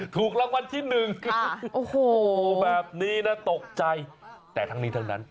ถูกรางวัลที่หนึ่งโอ้โหแบบนี้นะตกใจแต่ทั้งนี้ทั้งนั้น